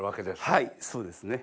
はいそうですね。